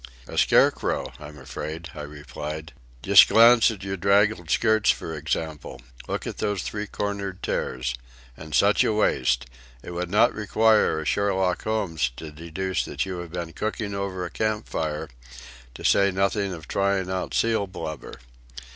"A scarecrow, I'm afraid," I replied. "Just glance at your draggled skirts, for instance. Look at those three cornered tears. And such a waist! It would not require a Sherlock Holmes to deduce that you have been cooking over a camp fire, to say nothing of trying out seal blubber.